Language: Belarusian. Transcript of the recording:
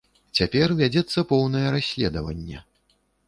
Цяпер вядзецца поўнае расследаванне.